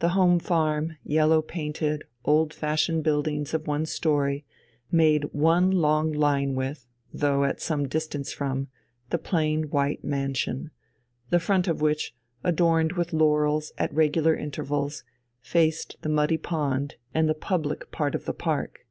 The home farm, yellow painted, old fashioned buildings of one story, made one long line with, though at some distance from, the plain white mansion, the front of which, adorned with laurels at regular intervals, faced the muddy pond and the public part of the park.